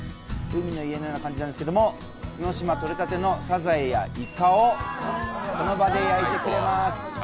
海の家のような感じなんですけど、角島とれたてのさざえやいかをその場で焼いてくれます。